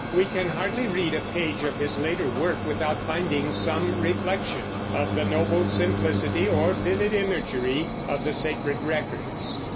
We can hardly read a page of his later work without finding some reflection of the noble simplicity or vivid imagery of the sacred records.